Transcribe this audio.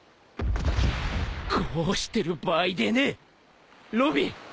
こうしてる場合でねえロビン！